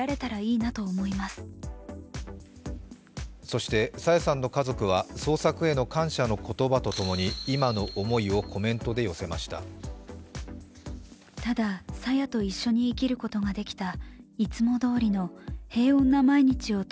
そして、朝芽さんの家族は捜索への感謝の言葉と共に今の思いをコメントで寄せました。